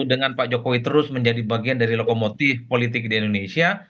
dengan pak jokowi terus menjadi bagian dari lokomotif politik di indonesia